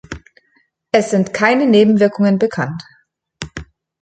Es sind keine Nebenwirkungen bekannt.